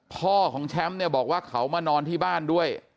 พ่อของแชมป์เนี่ยบอกว่าเขามานอนที่บ้านด้วย